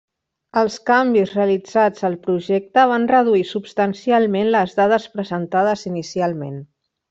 Els canvis realitzats al projecte van reduir substancialment les dades presentades inicialment.